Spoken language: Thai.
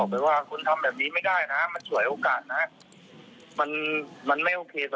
เพื่อเรียกแท็กซี่ให้ผม